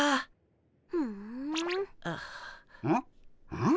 うん？